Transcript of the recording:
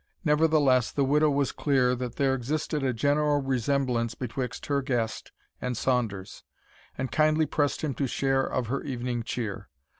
Nevertheless, the widow was clear that there existed a general resemblance betwixt her guest and Saunders, and kindly pressed him to share of her evening cheer.